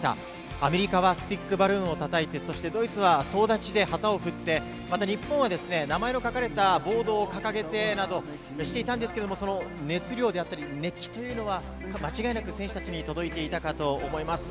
アメリカはスティックバルーンをたたいて、そしてドイツは総立ちで旗を振って、また日本は名前の書かれたボードを掲げてなどしていたんですけれども、その熱量であったり、熱気というのは、間違いなく選手たちに届いていたかと思います。